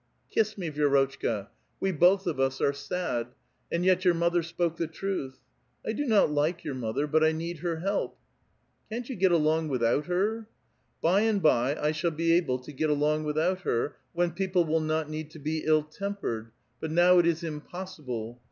" Kiss me, Vii'rotchka. We both of us are sad; and yet your motlier spoke the truth. I do not like yom* mother, but 1 ni'cd ln'r help." *' Can't YOU j;ct alonp: without her?" '* Hy and by I shall be able to get along without her, when people will not need to be ill tempered ; but now it is impos sible.